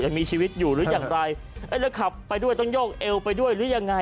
ยังมีชีวิตอยู่หรืออย่างไรแล้วขับไปด้วยต้องโยกเอวไปด้วยหรือยังไง